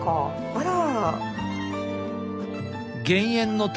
あら？